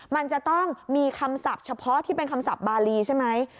มันจะต้องมีคำศัพท์เฉพาะที่เป็นคำศัพทบาลีใช่ไหม